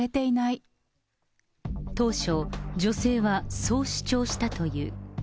当初、女性はそう主張したという。